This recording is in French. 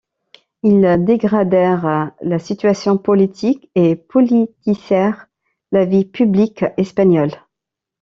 Ils dégradèrent la situation politique et politisèrent la vie publique espagnole.